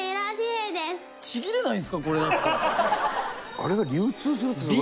あれが流通するっていうのが。